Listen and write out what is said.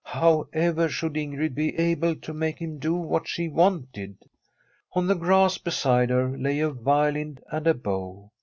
However should Ingrid be able to make him do what she wanted? On the grass beside her lay a violin and a bow.